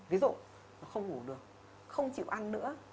ví dụ nó không ngủ được không chịu ăn nữa